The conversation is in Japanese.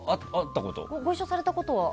ご一緒されたことは？